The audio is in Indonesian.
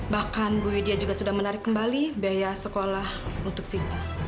bahkan bu widia juga sudah menarik kembali biaya sekolah untuk sinta